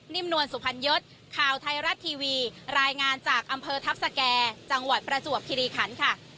นวลสุพรรณยศข่าวไทยรัฐทีวีรายงานจากอำเภอทัพสแก่จังหวัดประจวบคิริขันค่ะ